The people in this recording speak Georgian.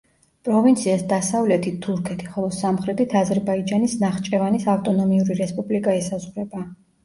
პროვინციას დასავლეთით თურქეთი, ხოლო სამხრეთით აზერბაიჯანის ნახჭევანის ავტონომიური რესპუბლიკა ესაზღვრება.